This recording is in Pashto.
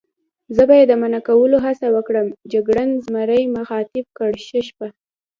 زه به یې د منع کولو هڅه وکړم، جګړن زمري مخاطب کړ: ښه شپه.